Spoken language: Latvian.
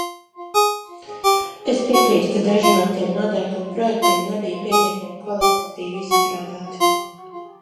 Es piekrītu, ka daži no tiem noteikumu projektiem nebija pietiekami kvalitatīvi izstrādāti.